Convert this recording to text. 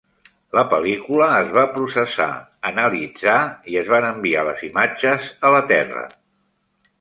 La pel·lícula es va processar, analitzar i es van enviar les imatges a la Terra.